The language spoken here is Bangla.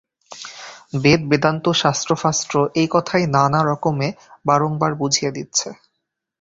বেদ-বেদান্ত শাস্ত্র-ফাস্ত্র এই কথাই নানা রকমে বারংবার বুঝিয়ে দিচ্ছে।